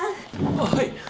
ああはい！